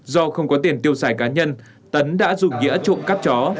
do không có tiền tiêu xài cá nhân tấn đã dùng nghĩa trộm cắp chó